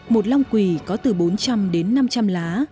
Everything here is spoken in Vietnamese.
một long quỳ có từ bốn trăm linh đến năm trăm linh lá